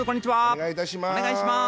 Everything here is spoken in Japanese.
お願いいたします。